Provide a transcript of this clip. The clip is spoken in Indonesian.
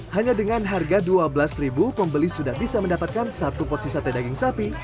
hanya dengan harga dua belas pembeli sudah bisa mendapatkan satu porsi sate daging sapi